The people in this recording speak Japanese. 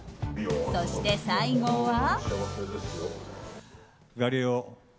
そして最後は。